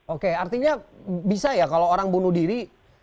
oke artinya bisa ya kalau orang bunuh diri